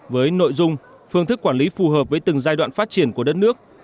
với nội dung phương thức quản lý phù hợp với từng giai đoạn phát triển của đất nước